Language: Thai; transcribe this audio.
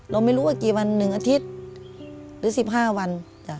เราไม่รู้ว่ากี่วัน๑อาทิตย์หรือ๑๕วัน